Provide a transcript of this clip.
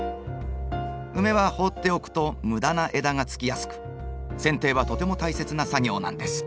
ウメは放っておくと無駄な枝がつきやすくせん定はとても大切な作業なんです。